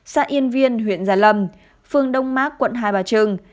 xã yên viên huyện gia lâm phương đông mát quận hai bà trưng